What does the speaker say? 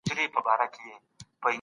خلګ پوښتنې نه سوای کولای.